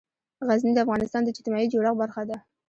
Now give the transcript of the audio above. غزني د افغانستان د اجتماعي جوړښت برخه ده.